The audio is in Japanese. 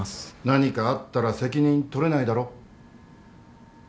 何かあったら責任取れないだろ。